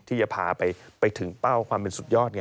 ที่จะพาไปถึงเป้าความเป็นสุดยอดไง